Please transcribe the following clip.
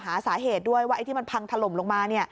หาสาเหตุด้วยว่าไอ้ที่มันพังถล่มลงมา